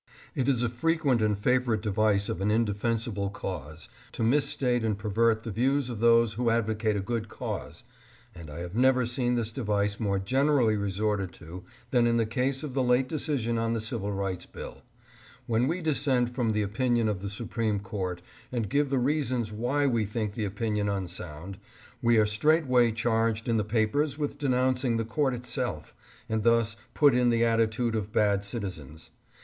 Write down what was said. It is a frequent and favorite device of an indefensible cause to misstate and pervert the views of those who advocate a good cause, and I have never seen this device more generally resorted to than in the case of the late decision on the Civil Rights Bill. When we dissent from the opinion of the Supreme Court and give the 668 ADDRESS AT LINCOLN HALL. reasons why we think the opinion unsound, we are straightway charged in the papers with denouncing the court itself, and thus put in the attitude of bad citizens.